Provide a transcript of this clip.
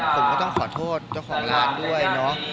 ผมก็ต้องขอโทษเจ้าของร้านด้วยเนาะ